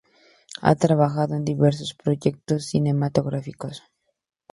Ha trabajado en diversos proyectos cinematográficos.